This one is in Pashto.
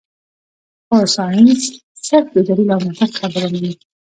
خو سائنس صرف د دليل او منطق خبره مني -